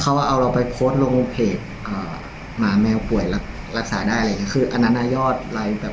ตอนแรกเขาโทรมาก่อนว่า